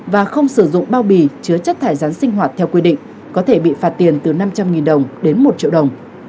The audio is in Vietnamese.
và không sử dụng bao bì chứa chất thải rắn sinh hoạt theo quy định có thể bị phạt tiền từ năm trăm linh đồng đến một triệu đồng